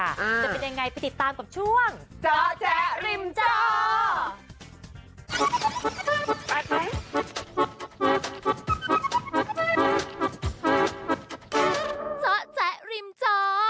จะเป็นยังไงไปติดตามกับช่วงเจาะแจ๊ริมจอ